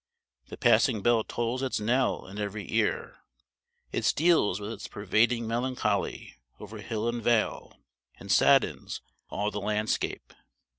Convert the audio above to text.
The passing bell tolls its knell in every ear; it steals with its pervading melancholy over hill and vale, and saddens all the landscape.